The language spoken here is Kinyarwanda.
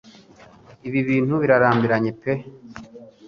ibi ibintu bira rambira nye pe.